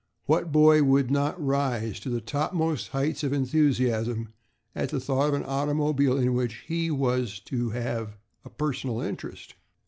What boy would not rise to the topmost heights of enthusiasm at the thought of an automobile in which he was to have a personal interest?